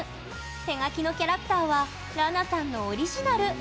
手描きのキャラクターはらなさんのオリジナル。